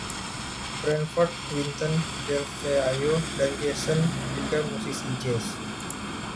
Branford, Wynton, Delfeayo, dan Jason juga musisi jaz.